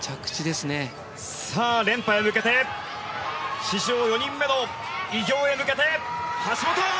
連覇へ向けて史上４人目の偉業へ向けて橋本！